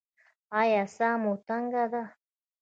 ایا ساه مو تنګه ده؟